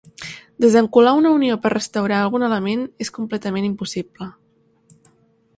Desencolar una unió per restaurar algun element és completament impossible.